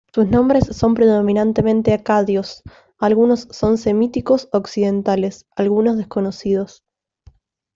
Sus nombres son predominantemente acadios; algunos son semíticos occidentales, algunos desconocidos.